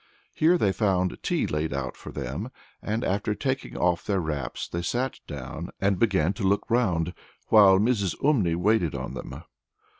Here they found tea laid out for them, and, after taking off their wraps, they sat down and began to look round, while Mrs. Umney waited on them.